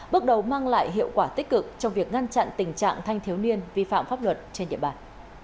bước đầu mang lại hiệu quả tích cực trong việc ngăn chặn tình trạng thanh thiếu niên vi phạm pháp luật trên địa bàn